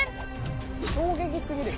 「衝撃すぎる。